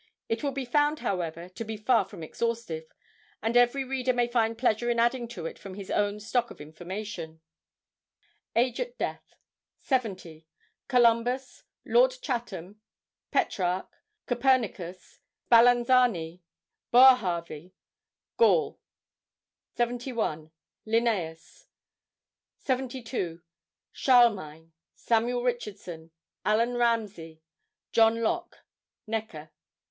It will be found, however, to be far from exhaustive, and every reader may find pleasure in adding to it from his own stock of information: Age at Death. 70—Columbus; Lord Chatham; Petrarch; Copernicus; Spallanzani; Boerhaave; Gall. 71—Linnæus. 72—Charlemagne; Samuel Richardson; Allan Ramsey; John Locke; Necker.